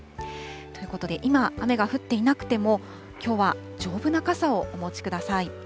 ということで、今雨が降っていなくても、きょうは丈夫な傘をお持ちください。